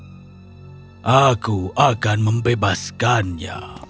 saya akan memperbaikinya